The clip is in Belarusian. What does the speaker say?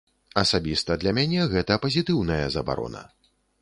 Асабіста для мяне гэта пазітыўная забарона.